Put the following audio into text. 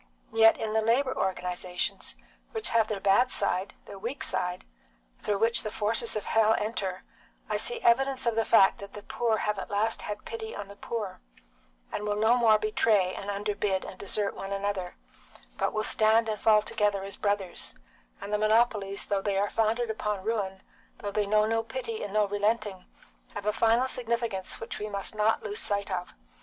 Yet in the labour organisations, which have their bad side, their weak side, through which the forces of hell enter, I see evidence of the fact that the poor have at last had pity on the poor, and will no more betray and underbid and desert one another, but will stand and fall together as brothers; and the monopolies, though they are founded upon ruin, though they know no pity and no relenting, have a final significance which we must not lose sight of.